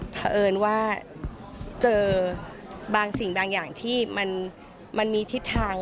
เพราะเอิญว่าเจอบางสิ่งบางอย่างที่มันมีทิศทาง